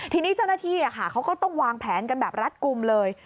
ทีนี้เจ้าหน้าที่เขาก็ต้องวางแผนกันแบบรัดกลุ่มเลย